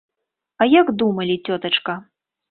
А як думалі, цётачка?